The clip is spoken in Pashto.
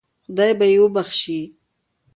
خدای به یې وبخشي.